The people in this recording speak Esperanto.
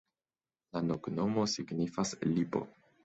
La loknomo signifas: lipo.